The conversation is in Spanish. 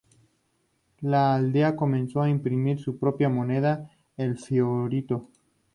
La aldea comenzó a imprimir su propia moneda, el Fiorito.